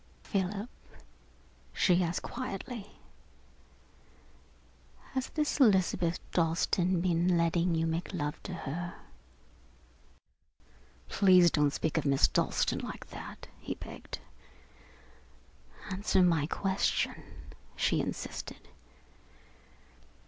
"Philip," she asked quietly, "has this Elizabeth Dalstan been letting you make love to her?" "Please don't speak of Miss Dalstan like that," he begged. "Answer my question," she insisted.